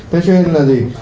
thế nên là gì